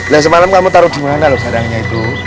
nah semalam kamu taruh dimana lo sarangnya itu